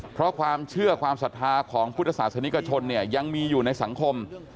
เพราะความเชื่อความศรัทธาของพุทธศาสนิกชนเนี่ยยังมีอยู่ในสังคม